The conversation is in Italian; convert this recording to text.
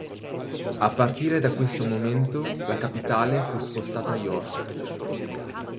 A partire da questo momento, la capitale fu spostata a York.